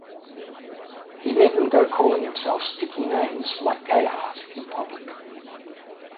He needn't go calling himself sticky names like Gayheart in public.